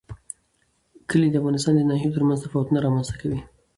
کلي د افغانستان د ناحیو ترمنځ تفاوتونه رامنځ ته کوي.